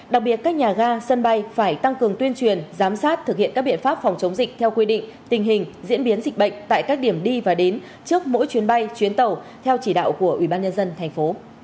đặc biệt các nhà ga sân bay phải tăng cường tuyên truyền giám sát thực hiện các biện pháp phòng chống dịch theo quy định tình hình diễn biến dịch bệnh tại các điểm đi và đến trước mỗi chuyến bay chuyến tàu theo chỉ đạo của ubnd tp